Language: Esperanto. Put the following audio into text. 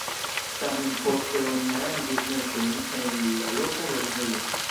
Tamen poste oni aranĝis mesojn en la loka lernejo.